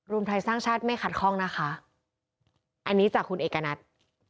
ไทยสร้างชาติไม่ขัดข้องนะคะอันนี้จากคุณเอกณัฐ